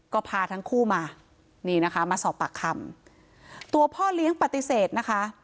ก็พาทั้งคู่มานี่นะคะมาสอบปากคำตัวพ่อเลี้ยงปฏิเสธนะคะ